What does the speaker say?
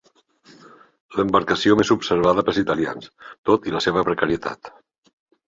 L'embarcació més observada pels italians, tot i la seva precarietat.